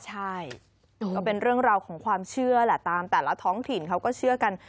ใช่ก็เป็นเรื่องราวของความเชื่อแหละตามแต่ละท้องถิ่นเขาก็เชื่อกัน